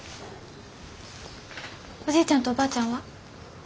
おじいちゃんとおばあちゃんは？